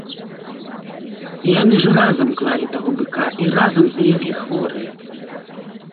Яны ж разам клалі таго быка і разам злеглі хворыя!